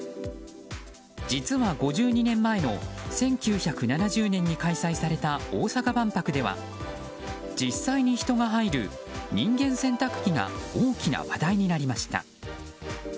実は５２年前の１９７０年に開催された大阪万博では、実際に人が入る人間洗濯機が大きな話題になりました。